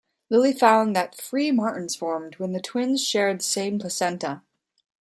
Lillie found that free-martins formed when twins shared the same placenta.